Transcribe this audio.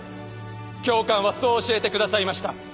教官はそう教えてくださいました。